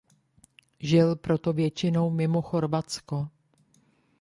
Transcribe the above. Žil proto většinou mimo Chorvatsko.